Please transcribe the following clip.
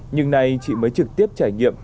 nhưng nay chị mới trực tiếp trải nghiệm